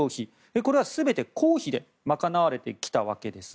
これは全て公費で賄われてきたわけですが。